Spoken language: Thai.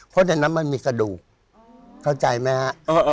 เพราะในนั้นมันมีกระดูกเข้าใจไหมฮะ